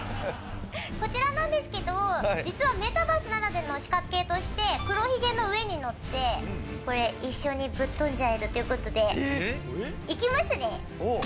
こちらなんですけど実はメタバースならではの仕掛けとして黒ひげの上に乗ってこれ一緒にぶっ飛んじゃえるという事でいきますね。